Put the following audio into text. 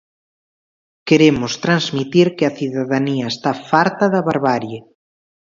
Queremos transmitir que a cidadanía está farta da barbarie.